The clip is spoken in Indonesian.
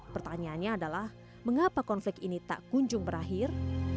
pertanyaannya adalah mengapa konflik ini tak kunjung berakhir